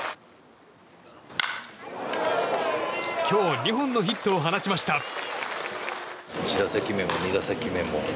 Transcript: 今日２本のヒットを放ちました。